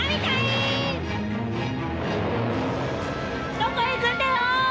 どこへ行くんだよ！